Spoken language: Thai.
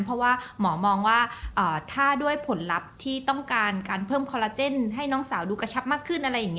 เพราะว่าหมอมองว่าถ้าด้วยผลลับที่ต้องการเพิ่มคอนลาเจ็นต์ให้น้องสาวดูกัชับมากขึ้น